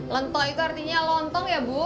lentok itu artinya lontong ya ibu